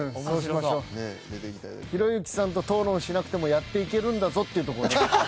ひろゆきさんと討論しなくてもやっていけるんだぞっていうところをね。